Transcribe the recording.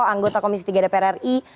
anggota komisi tiga dprri